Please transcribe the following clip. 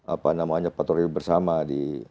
apa namanya patroli bersama di